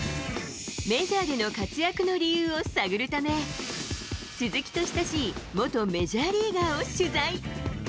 メジャーでの活躍の理由を探るため、鈴木と親しい元メジャーリーガーを取材。